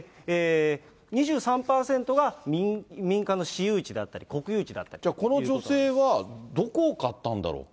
２３％が民間の私有地だったり、この女性はどこを買ったんだろうか。